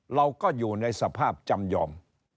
เราก็อยู่ในสภาพจำยอม